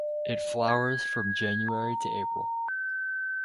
It flowers from January to April.